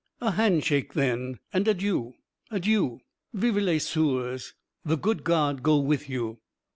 A handshake, then, and Adieu! Adieu! vivent les soeurs! the good God go with you!